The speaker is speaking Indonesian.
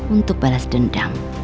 untuk balas dendam